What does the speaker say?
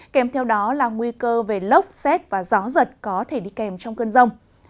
kèm theo đó là nguy cơ về lốc xét và gió giật có thể đi kèm trong cơn rông